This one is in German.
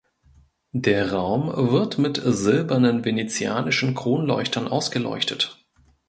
Der Raum wird mit silbernen venezianischen Kronleuchtern ausgeleuchtet.